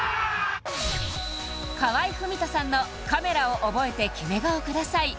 河合郁人さんのカメラを覚えてキメ顔ください